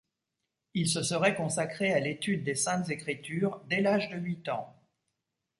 Il se serait consacré à l'étude des Saintes Écritures dès l'âge de huit ans.